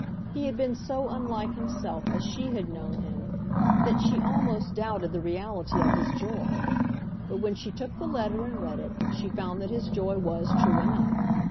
He had been so unlike himself as she had known him that she almost doubted the reality of his joy. But when she took the letter and read it, she found that his joy was true enough.